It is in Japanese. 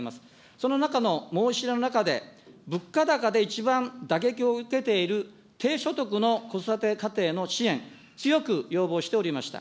その中の申し入れの中で、物価高で一番打撃を受けている低所得の子育て家庭の支援、強く要望しておりました。